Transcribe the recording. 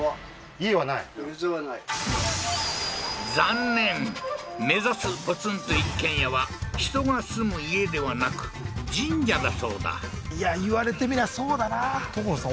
家は無い残念目指すポツンと一軒家は人が住む家ではなく神社だそうだいや言われてみりゃそうだな所さん